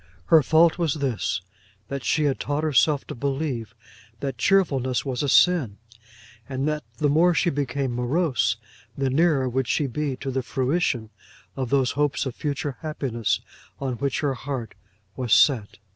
Her fault was this; that she had taught herself to believe that cheerfulness was a sin, and that the more she became morose, the nearer would she be to the fruition of those hopes of future happiness on which her heart was set.